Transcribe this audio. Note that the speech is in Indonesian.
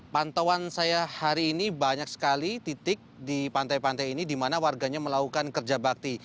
pantauan saya hari ini banyak sekali titik di pantai pantai ini di mana warganya melakukan kerja bakti